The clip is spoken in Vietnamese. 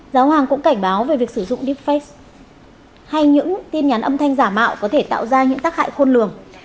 giáo hoàng cũng cảnh báo về việc sử dụng deepfake hay những tin nhắn âm thanh giả mạo có thể tạo ra những tác hại khôn lường